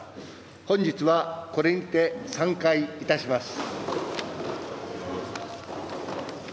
本日はこれにて散会いたします。